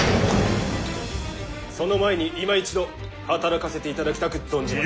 その前にいま一度働かせていただきたく存じまする！